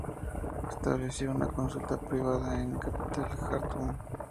Estableció una consulta privada en la capital Jartum.